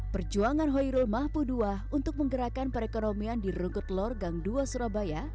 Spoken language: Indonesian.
perjuangan hoi rul mahpuduwa untuk menggerakkan perekonomian di runggut lor gang dua surabaya